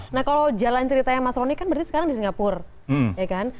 nah kalau jalan ceritanya mas rony kan berarti sekarang di singapura ya kan